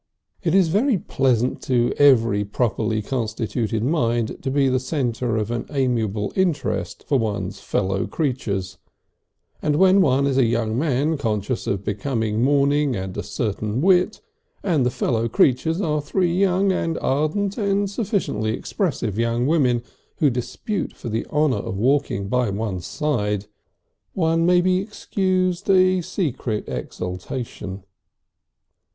It is very pleasant to every properly constituted mind to be a centre of amiable interest for one's fellow creatures, and when one is a young man conscious of becoming mourning and a certain wit, and the fellow creatures are three young and ardent and sufficiently expressive young women who dispute for the honour of walking by one's side, one may be excused a secret exaltation.